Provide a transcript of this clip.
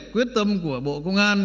quyết tâm của bộ công an